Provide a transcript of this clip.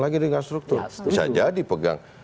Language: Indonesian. lagi dengan struktur bisa jadi pegang